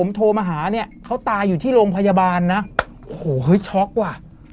เออเออเออนะฮะ